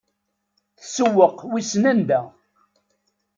Tssewweq wissen anda.